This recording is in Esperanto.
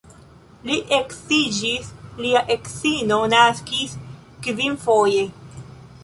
Li edziĝis, lia edzino naskis kvinfoje.